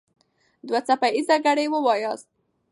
دوه څپه ايزه ګړې وواياست.